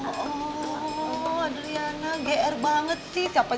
adriana gr banget sih siapa juga yang mau dateng kesini jenguk kamu